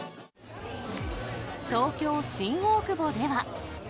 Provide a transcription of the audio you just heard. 東京・新大久保では。